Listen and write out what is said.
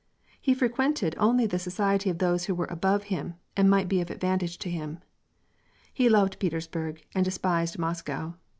He frequented only the society of those who were above him and might be of advantage to liim. He loved Petersburg and despised Moscow.